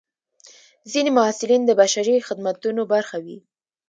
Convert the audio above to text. ځینې محصلین د بشري خدمتونو برخه وي.